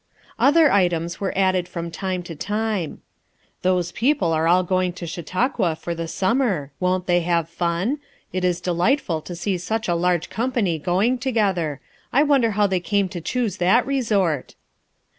Other items were added from time to time. 55 56 FOUR MOTHERS AT CHAUTAUQUA "Those people are all going to Chautauqua for the slimmer; won't they have fun? it is delightful to see such a large company going together. I wonder how they came to choose that resort?"